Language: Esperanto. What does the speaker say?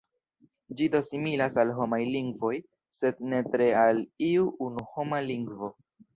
Ĝi do similas al homaj lingvoj, sed ne tre al iu unu homa lingvo.